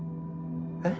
えっ？